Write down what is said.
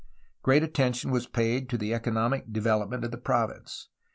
Great attention was paid to the economic development of the province.